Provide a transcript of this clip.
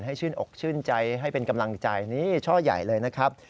ชื่นอกชื่นใจให้เป็นกำลังใจนี่ช่อใหญ่เลยนะครับ